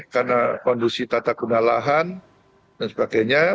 karena kondisi tata guna lahan dan sebagainya